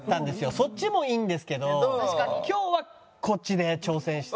そっちもいいんですけど今日はこっちで挑戦して。